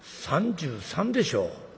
３３でしょ？」。